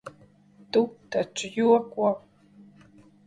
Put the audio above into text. Tu taču joko?